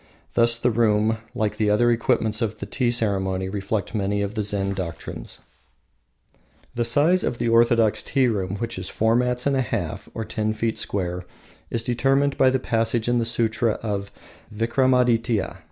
Thus the room, like the other equipments of the tea ceremony, reflects many of the Zen doctrines. The size of the orthodox tea room, which is four mats and a half, or ten feet square, is determined by a passage in the Sutra of Vikramadytia.